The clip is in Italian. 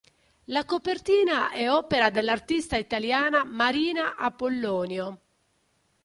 La copertina è opera dell'artista italiana Marina Apollonio.